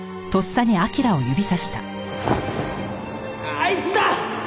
あいつだ！